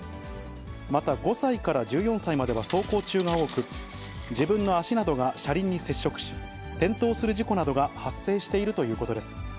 また、５歳から１４歳までは走行中が多く、自分の足などが車輪に接触し、転倒する事故などが発生しているということです。